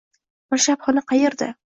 Mirshabxona qayerda?